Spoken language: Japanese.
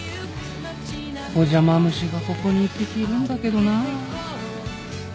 お邪魔虫がここに１匹いるんだけどな。